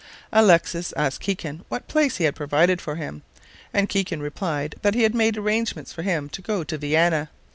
Alexis asked Kikin what place he had provided for him, and Kikin replied that he had made arrangements for him to go to Vienna.